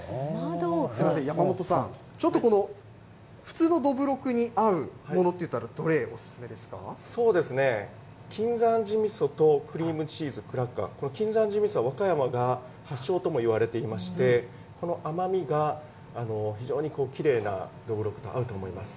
すみません、山本さん、ちょっとこの普通のどぶろくに合うものっていったら、そうですね、金山寺みそとクリームチーズ、クラッカー、これ、金山寺みそは和歌山が発祥ともいわれていまして、甘みが非常にきれいなどぶろくと合うと思います。